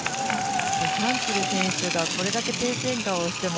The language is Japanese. シャンクル選手がこれだけペース変化をしても